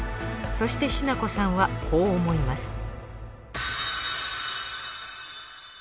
そしてしなこさんはこう思います